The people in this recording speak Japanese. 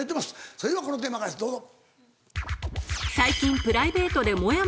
それではこのテーマからですどうぞ。